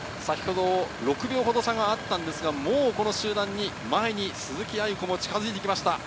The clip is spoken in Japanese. ６秒ほど差がありましたが、もう集団に鈴木亜由子も近づいてきました。